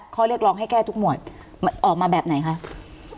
ข้อเรียกร้องให้แก้ทุกหมวดออกมาแบบไหนคะ